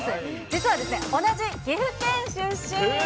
実は、同じ岐阜県出身。